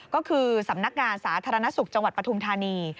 ก็คือสำนักงานสาธารณสุขจังหวัดปฐุมธานี